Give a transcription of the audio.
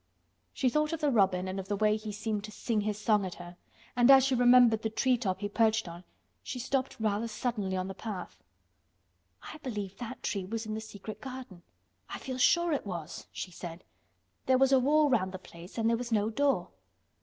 She thought of the robin and of the way he seemed to sing his song at her, and as she remembered the tree top he perched on she stopped rather suddenly on the path. "I believe that tree was in the secret garden—I feel sure it was," she said. "There was a wall round the place and there was no door."